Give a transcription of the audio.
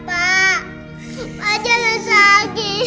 papa jangan sakit